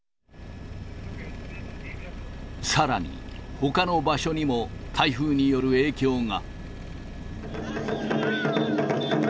さらに、ほかの場所にも台風による影響が。